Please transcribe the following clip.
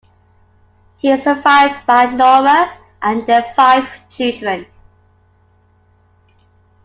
He is survived by Norma and their five children.